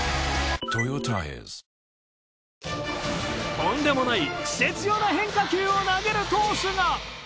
とんでもないクセ強な変化球を投げる投手が。